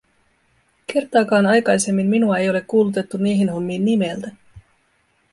Kertaakaan aikaisemmin minua ei ole kuulutettu niihin hommiin nimeltä.